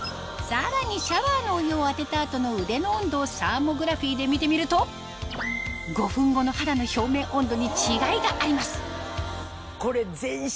さらにシャワーのお湯を当てた後の腕の温度をサーモグラフィーで見てみると５分後の肌の表面温度に違いがあります